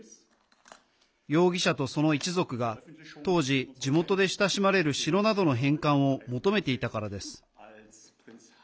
容疑者と、その一族が当時、地元で親しまれる城などの返還を求めていたからです。